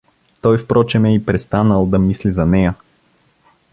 Той впрочем е и престанал да мисли за нея.